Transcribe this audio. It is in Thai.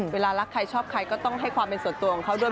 เวลารักใครชอบใครก็ต้องให้ความเป็นส่วนตัวของเขาด้วย